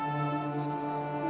terima kasih tuhan